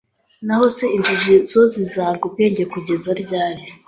Naho se injiji zo zizanga ubwenge kugeza ryari